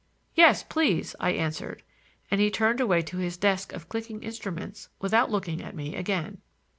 "Yes, please," I answered, and he turned away to his desk of clicking instruments without looking at me again.